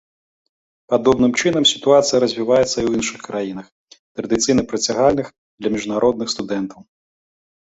Падобным чынам сітуацыя развіваецца і ў іншых краінах, традыцыйна прыцягальных для міжнародных студэнтаў.